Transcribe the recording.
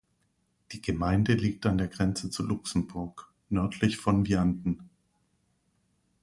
Die Gemeinde liegt an der Grenze zu Luxemburg nördlich von Vianden.